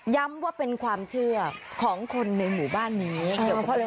ย้ำว่าเป็นความเชื่อของคนในหมู่บ้านนี้เพราะเออ